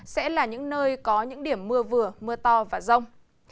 sẽ là những nơi có những điểm mưa vừa mưa to và rông